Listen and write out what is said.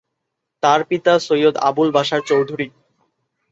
তার পিতা সৈয়দ আবুল বাশার চৌধুরী।